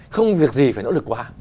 không việc gì phải nỗ lực quá